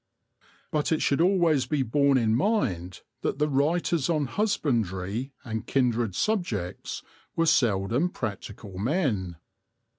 But it should always be borne in mind that the writers on husbandry and kindred subjects were seldom practical men.